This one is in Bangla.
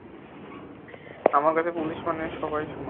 আমার কাছে পুলিশ মানে সবাই সমান।